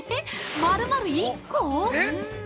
丸々１個！？